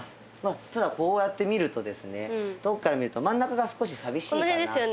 ただこうやって見るとですね遠くから見ると真ん中が少し寂しいかなと思います。